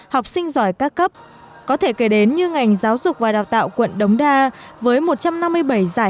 học sinh giỏi các cấp có thể kể đến như ngành giáo dục và đào tạo quận đống đa với một trăm năm mươi bảy giải